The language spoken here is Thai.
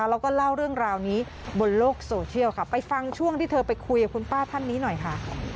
แล้วก็เล่าเรื่องราวนี้บนโลกโซเชียลค่ะไปฟังช่วงที่เธอไปคุยกับคุณป้าท่านนี้หน่อยค่ะ